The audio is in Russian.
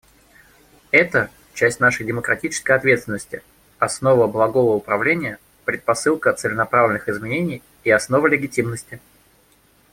Это — часть нашей демократической ответственности, основа благого управления, предпосылка целенаправленных изменений и основа легитимности.